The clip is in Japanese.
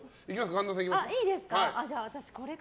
神田さんいきます？